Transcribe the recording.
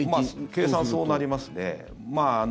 計算、そうなりますね。